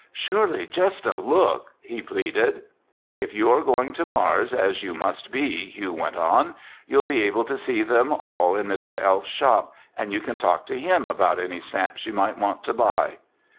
"Surely just a look—" he pleaded. "If you are going to Mars, as you must be," Hugh went on, "you'll be able to see them all in Mr. Elfs's shop, and you can talk to him about any stamps you might want to buy."